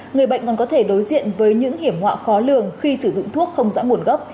người bệnh còn có thể đối diện với những hiểm họa khó lường khi sử dụng thuốc không rõ nguồn gốc